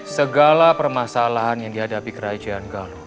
segala permasalahan yang dihadapi kerajaan galuh